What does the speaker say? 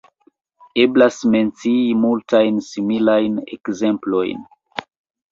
Eblas mencii multajn similajn ekzemplojn.